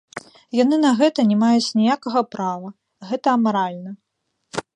Яны на гэта не маюць ніякага права, гэта амаральна.